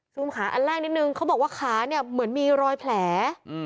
ขาอันแรกนิดนึงเขาบอกว่าขาเนี่ยเหมือนมีรอยแผล